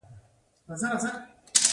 آیا د ګازو موټرې په افغانستان کې شته؟